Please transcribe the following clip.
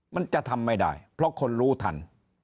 มันจะทำไม่ได้เพราะคนรู้ทัน